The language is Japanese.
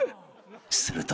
［すると］